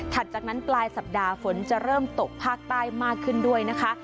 จากนั้นปลายสัปดาห์ฝนจะเริ่มตกภาคใต้มากขึ้นด้วยนะคะ